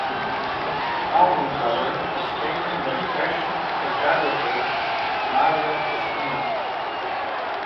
The album cover was taken by fashion photographer Mario Testino.